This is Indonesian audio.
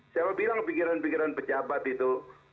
siapa bilang pikiran pikiran pejabat itu